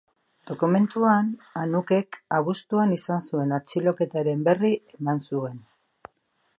Dokumentuan Anuk-ek abuztuan izan zuen atxiloketaren berri eman zuen.